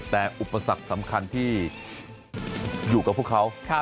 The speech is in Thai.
แต่อุปสรรคสำคัญที่อยู่กับพวกเขา